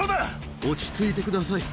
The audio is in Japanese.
落ち着いてください。